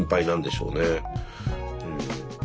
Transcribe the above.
うん。